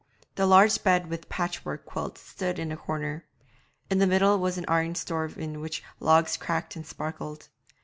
The large bed with patchwork quilt stood in a corner; in the middle was an iron stove in which logs crackled and sparkled.